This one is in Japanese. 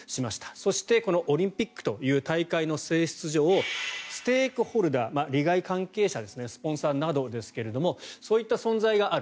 そして、オリンピックという大会の性質上ステークホルダー利害関係者ですねスポンサーなどですがそういった存在がある。